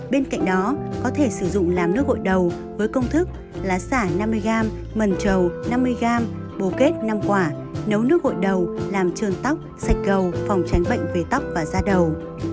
bên cạnh đó có thể sử dụng làm nước gội đầu với công thức là xả năm mươi gram mần trầu năm mươi gram bồ kết năm quả nấu nước hội đầu làm trơn tóc sạch gầu phòng tránh bệnh về tóc và da đầu